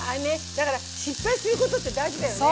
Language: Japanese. だから失敗することって大事だよね。